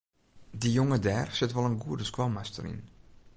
Dy jonge dêr sit wol in goede skoalmaster yn.